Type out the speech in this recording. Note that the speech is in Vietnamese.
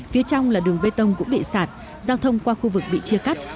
phía trong là đường bê tông cũng bị sạt giao thông qua khu vực bị chia cắt